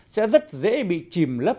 sẽ rất dễ bị chìm lấp